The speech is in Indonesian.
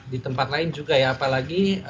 di tempat lain juga ya apalagi